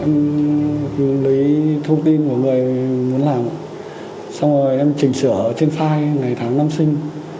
em lấy thông tin của người muốn làm xong rồi em chỉnh sửa trên file ngày tháng năm sinh